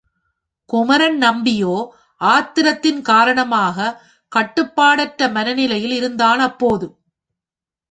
குமரன் நம்பியோ ஆத்திரத்தின் காரணமாகக் கட்டுப்பாடற்ற மனநிலையில் இருந்தான் அப்போது.